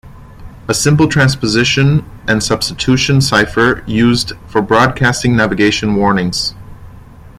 A simple transposition and substitution cipher used for broadcasting navigation warnings.